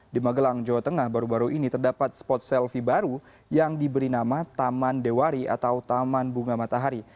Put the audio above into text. di magelang jawa tengah baru baru ini terdapat spot selfie baru yang diberi nama taman dewari atau taman bunga matahari